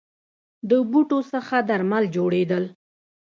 د بوټو څخه درمل جوړیدل